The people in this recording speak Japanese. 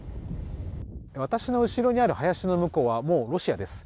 私の後ろにある林の向こうはもうロシアです。